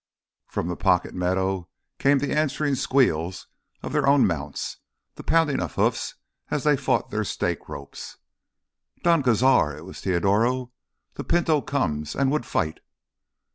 From the pocket meadow came the answering squeals of their own mounts, the pounding of hoofs as they fought their stake ropes. "Don Cazar!" It was Teodoro. "The Pinto comes—and would fight!"